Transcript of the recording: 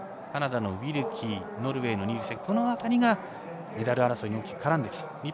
カナダのウィルキーノルウェーのニールセンこの辺りがメダル争いに絡んできそう。